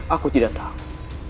aku tidak tahu